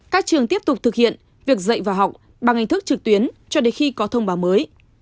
các trường tiếp tục thực hiện việc dạy và học bằng hình thức trực tuyến cho đến khi có thông báo mới